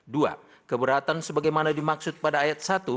dua keberatan sebagaimana dimaksud pada ayat satu